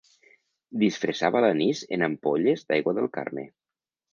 Disfressava l'anís en ampolles d'aigua del Carme.